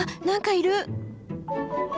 何かいる！